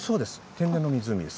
天然の湖です。